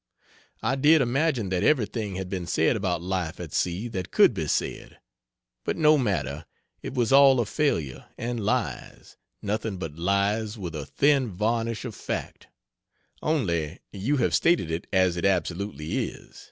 I did imagine that everything had been said about life at sea that could be said, but no matter, it was all a failure and lies, nothing but lies with a thin varnish of fact, only you have stated it as it absolutely is.